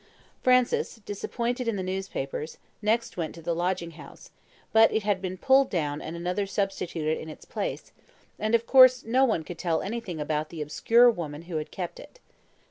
Francis, disappointed in the newspapers, next went to the lodging house, but it had been pulled down and another substituted in its place, and of course no one could tell anything about the obscure woman who had kept it.